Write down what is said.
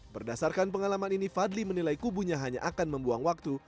berdasarkan pengalaman ini fadli menilai kubunya hanya akan membuang waktu